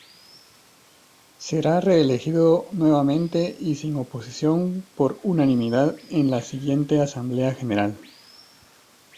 Será reelegido nuevamente y sin oposición por unanimidad en la siguiente asamblea general.